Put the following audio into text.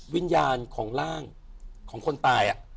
วิญญาณของร่างของคนตาย